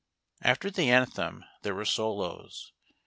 After the anthem there were solos.